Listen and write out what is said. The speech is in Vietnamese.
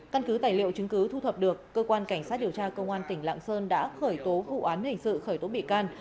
căn cứ tài liệu chứng cứ thu thập được cơ quan cảnh sát điều tra công an tỉnh lạng sơn đã khởi tố vụ án hình sự khởi tố bị can